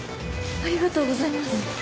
ありがとうございます。